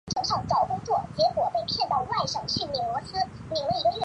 波叶新木姜子为樟科新木姜子属下的一个种。